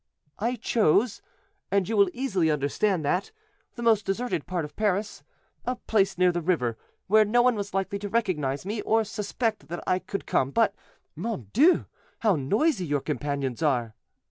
"I chose, and you will easily understand that, the most deserted part of Paris, a place near the river, where no one was likely to recognize me, or suspect that I could come; but, mon Dieu! how noisy your companions are."